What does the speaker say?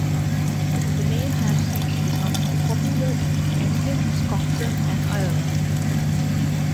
The name has since become popular in England, Scotland and Ireland.